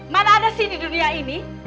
mana ada sih di dunia ini